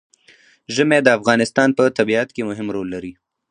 ژمی د افغانستان په طبیعت کې مهم رول لري.